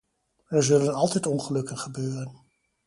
Er zullen altijd ongelukken gebeuren.